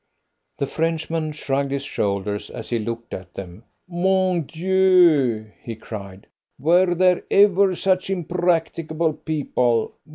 The Frenchman shrugged his shoulders as he looked at them. "Mon Dieu!" he cried, "were there ever such impracticable people?